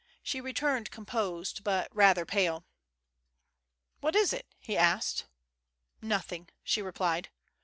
She returned composed, but rather pale. " What is it ?" he asked. ''Nothing," she replied.